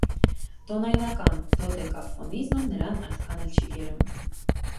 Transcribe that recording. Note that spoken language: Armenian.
Տոնայնական դոդեկաֆոնիզմը նրան այդքան էլ չի գերում։